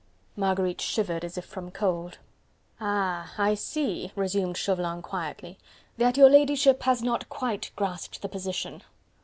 Marguerite shivered as if from cold. "Ah! I see," resumed Chauvelin quietly, "that your ladyship has not quite grasped the position.